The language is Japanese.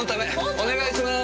お願いしまーす！